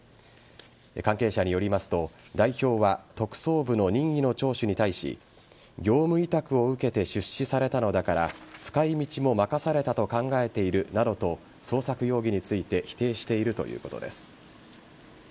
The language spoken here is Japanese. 関係者によりますと代表は特捜部の任意の聴取に対し業務委託を受けて出資されたのだから使い道も任されたと考えているなどと捜索容疑について否定しているということです。